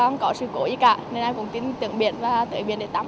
nên em cũng tin tưởng biển và tưởng biển để tắm